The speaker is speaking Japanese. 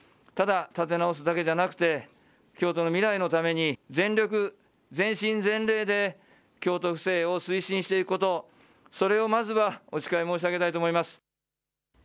ただ立て直すだけじゃなくて京都の未来のために全力、全身全霊で京都府政を推進していくこと、それをまずはお誓い申し上げたいと思います。